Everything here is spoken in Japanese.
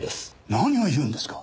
何を言うんですか？